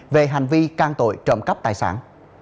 về hành vi can tội trộm cắp tài sản